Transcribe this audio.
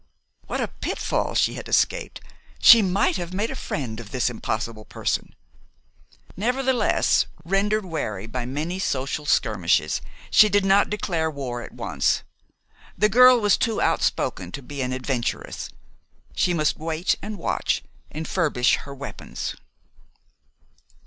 What a pitfall she had escaped! She might have made a friend of this impossible person! Nevertheless, rendered wary by many social skirmishes, she did not declare war at once. The girl was too outspoken to be an adventuress. She must wait, and watch, and furbish her weapons.